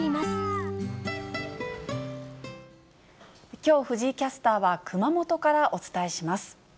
きょう、藤井キャスターは熊本からお伝えします。